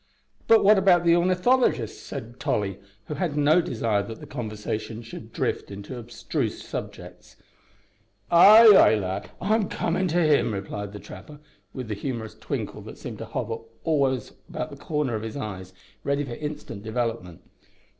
"But what about the ornithologist?" said Tolly, who had no desire that the conversation should drift into abstruse subjects. "Ay, ay, lad, I'm comin' to him," replied the trapper, with the humorous twinkle that seemed to hover always about the corners of his eyes, ready for instant development.